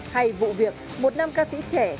hay vụ việc một nam ca sĩ trẻ